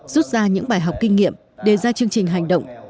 rút ra những bài học kinh nghiệm đề ra chương trình hành động